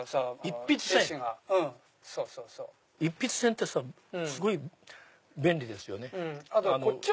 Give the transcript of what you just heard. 一筆箋ってさすごい便利ですよね。